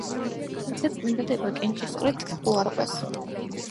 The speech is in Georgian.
თუმცა წინადადება კენჭისყრით უარყვეს.